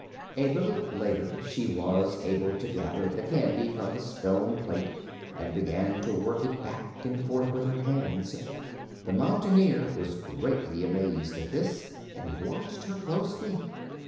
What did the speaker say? A little later she was able to gather the candy from the stone plate and begin to work it back and forth with her hands. The Mountain Ear was greatly amazed at this and watched her closely.